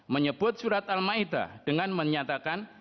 menyebut surat al ma'idah dengan menyatakan